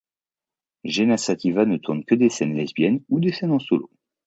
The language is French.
Jenna Sativa ne tourne que des scènes lesbiennes ou des scènes en solo.